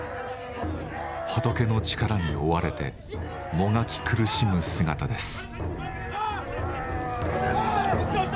仏の力に追われてもがき苦しむ姿です。